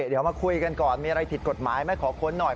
เดี๋ยวมาคุยกันก่อนมีอะไรผิดกฎหมายไหมขอค้นหน่อย